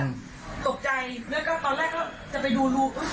โทรศัพท์ก็ตกใจนี่ก็ตอนแรกจะไปดูรู